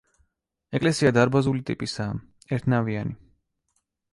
ეკლესია დარბაზული ტიპისაა, ერთნავიანი.